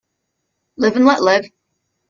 Live and let live.